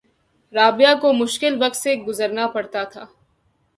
رابعہ کو مشکل وقت سے گزرنا پڑا تھا